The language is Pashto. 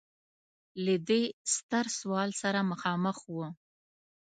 له دې ستر سوال سره مخامخ و.